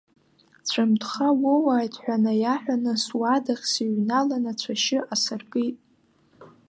Цәамҭхаа уоуааит ҳәа наиаҳәаны суадахь сныҩналан, ацәашьы асыркит.